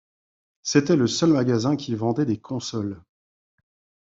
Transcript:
C'était le seul magasin qui vendait des consoles.